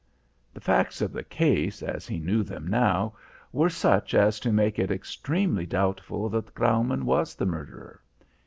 The facts of the case, as he knew them now, were such as to make it extremely doubtful that Graumann was the murderer.